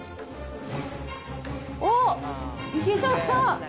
おっ、いけちゃった。